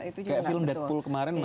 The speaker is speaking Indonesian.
itu juga tidak betul